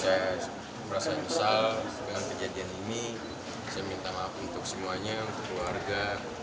saya merasa kesal dengan kejadian ini saya minta maaf untuk semuanya untuk keluarga